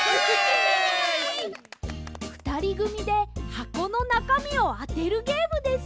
ふたりぐみではこのなかみをあてるゲームです。